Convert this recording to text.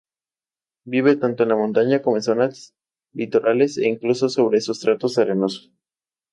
Vive tanto en la montaña como en zonas litorales e incluso sobre sustratos arenosos.